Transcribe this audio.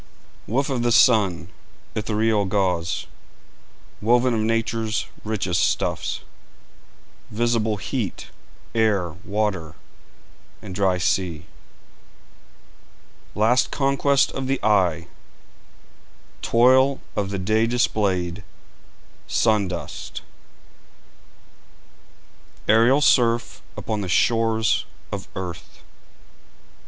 Woof of the sun, ethereal gauze, Woven of Nature's richest stuffs, Visible heat, air water, and dry sea, Last conquest of the eye; Toil of the day displayed sun dust, Aerial surf upon the shores of earth.